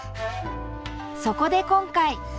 そこで今回。